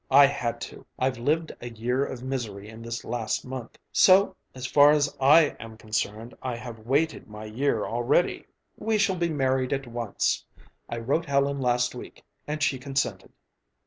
I had to. I've lived a year of misery in this last month: so, as far as I am concerned, I have waited my year already. We shall be married at once. I wrote Helen last week, and she consented.